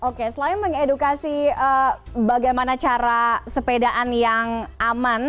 oke selain mengedukasi bagaimana cara sepedaan yang aman